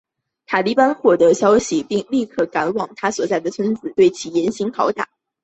塔利班获得消息后立刻赶往他所在的村子里对其严刑拷打。